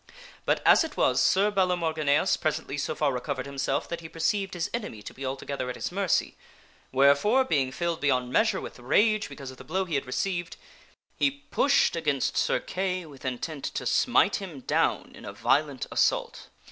But as it was, Sir Balamorgineas presently so far recovered himself that he perceived his enemy to be altogether at his mercy ; wherefore, being filled beyond measure with rage because of the blow he had received, he pushed against Sir Kay with intent to smite him down in a violent assault.